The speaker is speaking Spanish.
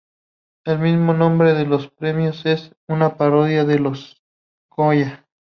El mismo nombre de los premios es una parodia del de los Goya.